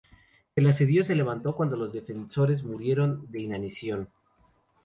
El asedio se levantó cuando los defensores murieron de inanición.